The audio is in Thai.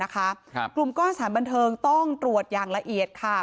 กลุ่มก้อนสถานบันเทิงต้องตรวจอย่างละเอียด